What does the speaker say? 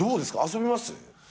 遊びます？